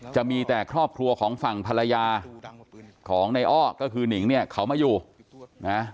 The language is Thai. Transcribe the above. จะมีแต่ครอบครัวของฝั่งภรรยาของในอ้อก็คือนิ่ง